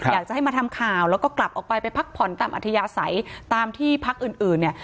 อยากจะให้มาทำข่าวแล้วก็กลับออกไปไปพักผ่อนตามอัธยาศัยตามที่พักอื่นเนี่ย